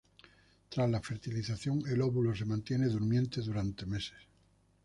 Tras la fertilización, el óvulo se mantiene durmiente durante meses.